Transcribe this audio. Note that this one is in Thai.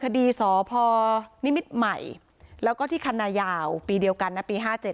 คดีสพนิมิตใหม่แล้วก็ที่คณยาวปีเดียวกันนะปีห้าเจ็ด